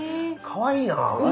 かわいい。